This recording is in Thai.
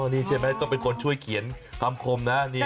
นี่ใช่ไหมต้องเป็นคนช่วยเขียนคำคมนะ